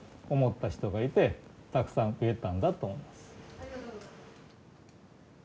ありがとうございます。